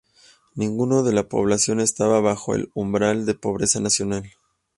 Ninguno de la población estaba bajo el umbral de pobreza nacional.